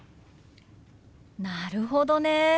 なるほどね。